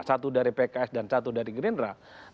satu dari pks dan satu dari gerindra